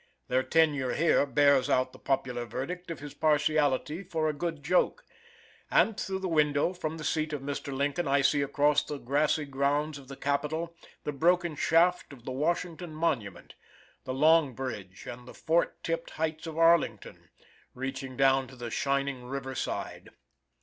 Their tenure here bears out the popular verdict of his partiality for a good joke; and, through the window, from the seat of Mr. Lincoln, I see across the grassy grounds of the capitol, the broken shaft of the Washington Monument, the long bridge and the fort tipped Heights of Arlington, reaching down to the shining river side.